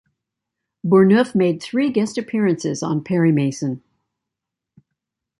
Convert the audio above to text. Bourneuf made three guest appearances on "Perry Mason".